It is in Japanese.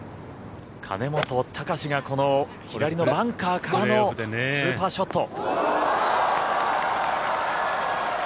兼本貴司がこの左のバンカーからのスーパーショット。